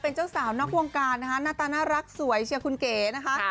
เป็นเจ้าสาวนอกวงการนะคะหน้าตาน่ารักสวยเชียร์คุณเก๋นะคะ